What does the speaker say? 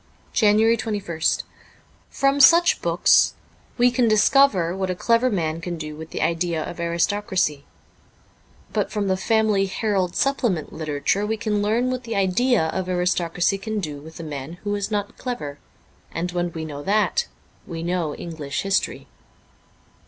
* JANUARY 2 1 St FROM such books ... we can discover what a clever man can do with the idea of aristocracy. But from the * Family Herald Supplement ' literature we can learn what the idea of aristocracy ..can do with a man who is not clever. And when we know that we know English history.